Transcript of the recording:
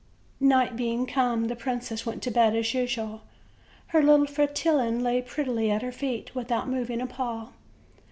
Night being come, the princess went to bed as usual; her little Fretillon lay prettily at her feet, without mov ing a paw.